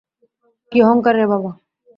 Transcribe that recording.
কী অহংকার রে বাবা।